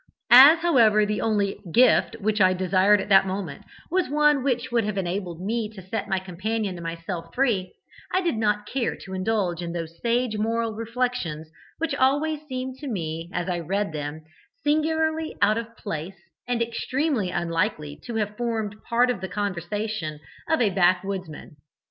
As, however, the only 'gift' which I desired at that moment was one which would have enabled me to set my companion and myself free, I did not care to indulge in those sage moral reflections which always seemed to me as I read them singularly out of place and extremely unlikely to have formed part of the conversation of a backwoodsman.